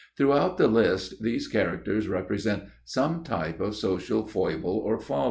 Throughout the list these characters represent some type of social foible or folly.